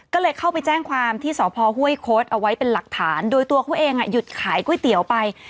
ก็เลยเข้าไปแจ้งความที่สพห้วยโค้ดเอาไว้เป็นหลักฐานโดยตัวเขาเองหยุดขายก๋วยเตี๋ยวไป